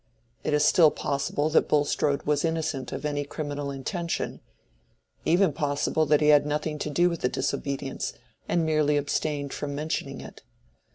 It is still possible that Bulstrode was innocent of any criminal intention—even possible that he had nothing to do with the disobedience, and merely abstained from mentioning it.